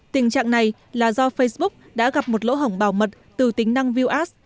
tình trạng này là do facebook đã gặp một lỗ hỏng bảo mật từ tính năng view ads